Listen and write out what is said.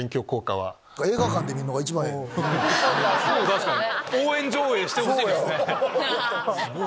確かに！